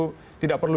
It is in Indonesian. maka tidak perlu